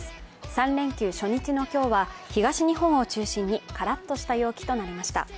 ３連休初日の今日は東日本を中心にカラッとした陽気となりました。